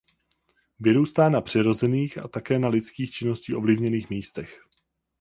Vyrůstá na přirozených a také na lidskou činností ovlivněných místech.